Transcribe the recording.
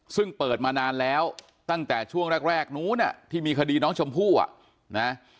ซึ่งเปิดมานานแล้วตั้งแต่ช่วงแรกนู้นที่มีคดีน้องชมพู่อ่ะนะ